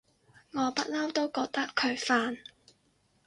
我不嬲都覺得佢煩